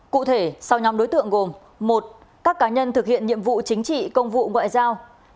cụ thể sau nhóm đối tượng gồm một các cá nhân thực hiện nhiệm vụ chính trị công vụ ngoại giao